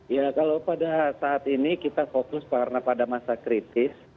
ya kalau pada saat ini kita fokus karena pada masa kritis